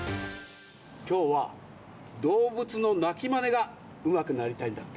きょうはどうぶつのなきマネがうまくなりたいんだって？